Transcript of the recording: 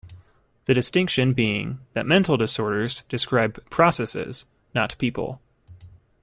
The distinction being that mental disorders describe processes, not people.